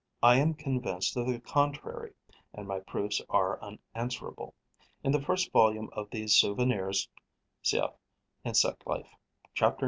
I am convinced of the contrary; and my proofs are unanswerable. In the first volume of these "Souvenirs" (Cf. "Insect Life": chapter 9.